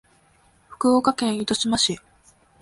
福岡県糸島市